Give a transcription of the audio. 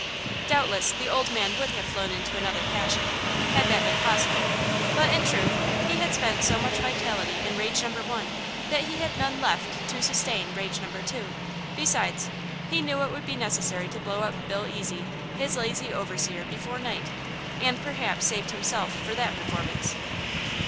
Doubtless the old man would have flown into another passion, had that been possible; but, in truth, he had spent so much vitality in rage number one that he had none left to sustain rage number two. Besides, he knew it would be necessary to blow up Bill Ezy, his lazy overseer, before night, and perhaps saved himself for that performance.